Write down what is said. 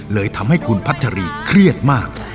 เลยทำให้คุณพัชรีเครียดมาก